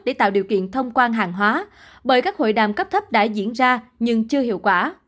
để tạo điều kiện thông quan hàng hóa bởi các hội đàm cấp thấp đã diễn ra nhưng chưa hiệu quả